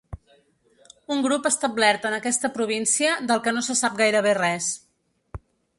Un grup establert en aquesta província del que no se sap gairebé res.